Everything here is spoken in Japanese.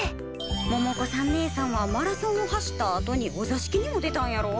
百子さんねえさんはマラソンを走ったあとにお座敷にも出たんやろ？